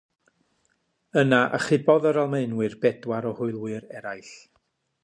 Yna, achubodd yr Almaenwyr bedwar o hwylwyr eraill.